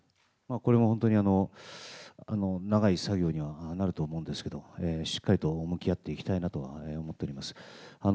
これも本当に、長い作業にはなると思うんですけど、しっかりと向き合っていきたいなとは思っております。